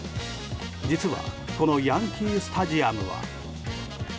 実はこのヤンキー・スタジアムは。